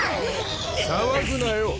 騒ぐなよ。